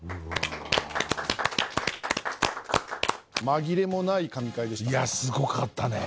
紛れもない神回でしたね。